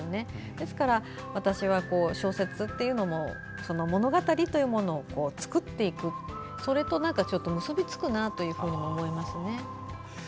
ですから、私は小説というのも物語というのを作っていくそれと結びつくなと思いますね。